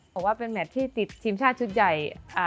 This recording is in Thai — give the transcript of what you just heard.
บอกว่าเป็นแมทที่ติดทีมชาติชุดใหญ่